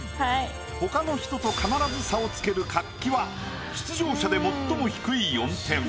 他の人と必ず差をつける活気は出場者で最も低い４点。